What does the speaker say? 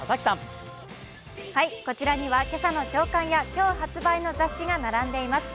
こちらには今朝の朝刊や今日発売の雑誌が並んでいます。